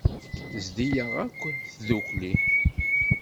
Tezdi-yaɣ akk tdukli.